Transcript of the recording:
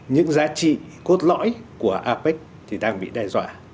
những giá trị cốt lõi của apec thì đang bị đe dọa